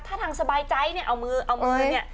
ถ้าทางสบายใจเนี่ยเอามือเนี่ย